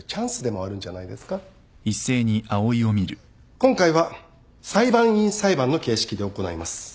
今回は裁判員裁判の形式で行います。